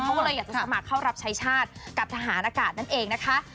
เขาก็เลยอยากจะสมัครเข้ารับใช้ชาติกับทหารอากาศนั่นเองนะคะ